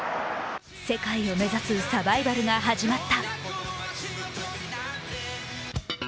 世界を目指すサバイバルが始まった。